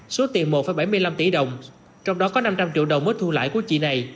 số tiền một bảy mươi năm tỷ đồng trong đó có năm trăm linh triệu đồng mới thu lãi của chị này